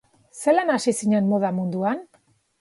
Zelan hasi zinen moda munduan?